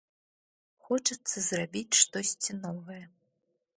Хочацца зрабіць штосьці новае.